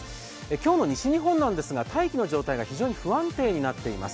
今日の西日本なんですが、大気の状態が非常に不安定になっています。